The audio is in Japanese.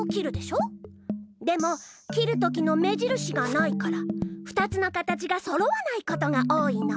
でも切るときの目じるしがないから２つの形がそろわないことが多いの。